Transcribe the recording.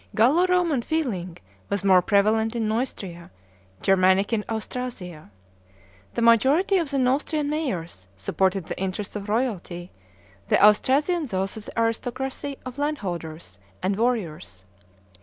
Gallo Roman feeling was more prevalent in Neustria, Germanic in Austrasia. The majority of the Neustrian mayors supported the interests of royalty, the Austrasian those of the aristocracy of landholders and warriors.